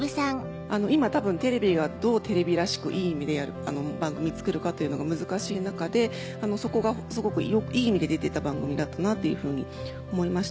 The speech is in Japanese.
今多分テレビがどうテレビらしくいい意味で番組作るかというのが難しい中でそこがすごくいい意味で出てた番組だったなっていうふうに思いました。